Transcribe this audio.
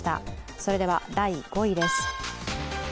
それでは第５位です。